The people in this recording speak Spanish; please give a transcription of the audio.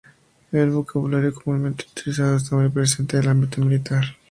En el vocabulario comúnmente utilizado está muy presente el ámbito militar.